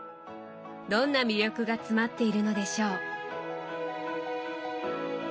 どんな魅力が詰まっているのでしょう⁉